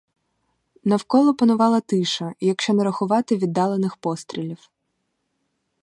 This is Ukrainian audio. Навколо панувала тиша, якщо не рахувати віддалених пострілів.